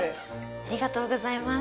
ありがとうございます。